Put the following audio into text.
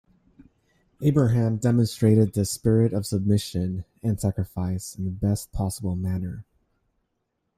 Abraham demonstrated this spirit of submission and sacrifice in the best possible manner.